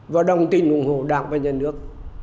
và đồng tình ủng hộ đảng và nhà nước